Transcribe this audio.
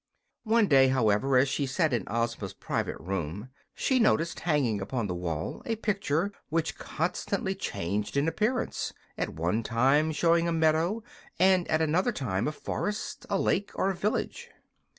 One day, however, as she sat in Ozma's private room, she noticed hanging upon the wall a picture which constantly changed in appearance, at one time showing a meadow and at another time a forest, a lake or a village.